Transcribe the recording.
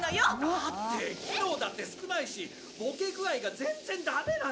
だって機能だって少ないしボケ具合が全然ダメなんだよ！